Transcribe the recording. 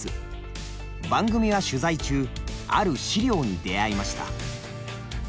番組は取材中ある資料に出会いました。